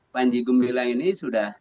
panji gumbilang ini sudah